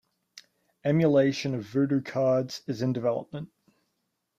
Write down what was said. Emulation of Voodoo cards is in development.